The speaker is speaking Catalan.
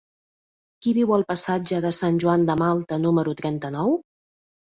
Qui viu al passatge de Sant Joan de Malta número trenta-nou?